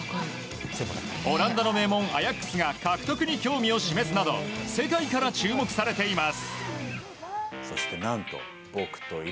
オランダの名門アヤックスが獲得に興味を示すなど世界から注目されています。